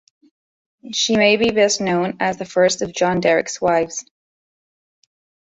She may be best known as the first of John Derek's wives.